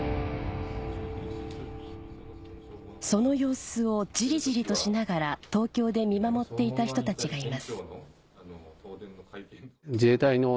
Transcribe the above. その様子をじりじりとしながら東京で見守っていた人たちがいます